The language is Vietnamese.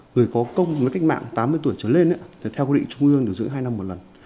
người có công với cách mạng tám mươi tuổi trở lên theo quy định trung ương điều dưỡng hai năm một lần